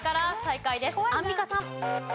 アンミカさん。